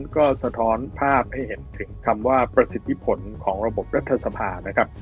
ก็สะท้อนภาพให้เห็นถึงคำว่าประสิทธิผลของระบบรัฐสภานะครับ